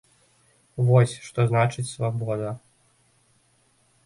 Вось, што значыць свабода.